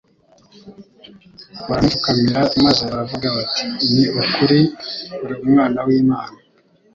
baramupfukamira; maze baravuga bati : "Ni ukuri, uri Umwana w'Imana.".